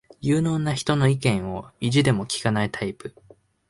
有能な人の意見を意地でも聞かないタイプ